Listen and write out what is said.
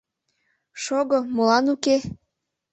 Шого, молан уке?